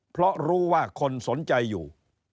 เพราะรู้ว่าคนสนใจอยู่